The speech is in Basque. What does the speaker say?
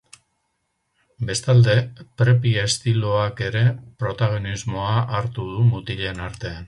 Bestalde, preppy estiloak ere protagonismoa hartu du mutilen artean.